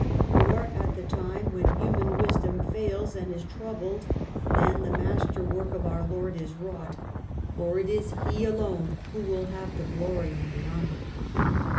For at the time when human wisdom fails and is troubled, then the master work of our Lord is wrought; for it is He who alone will have the glory and the honor."